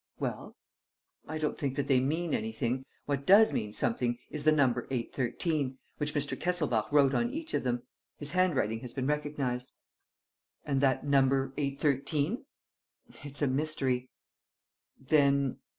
"Well?" "I don't think that they mean anything. What does mean something is the number 813, which Mr. Kesselbach wrote on each of them. His handwriting has been recognized." "And that number 813?" "It's a mystery." "Then?"